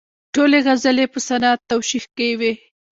ټولې غزلې یې په صنعت توشیح کې وې.